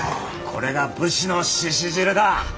これが武士の鹿汁だ。